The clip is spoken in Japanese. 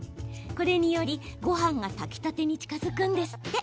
これにより、ごはんが炊きたてに近づくんですって。